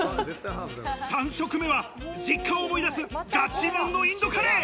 ３食目は実家を思い出すガチもんのインドカレー。